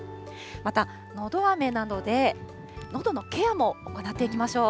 また、のどあめなどで、のどのケアも行っていきましょう。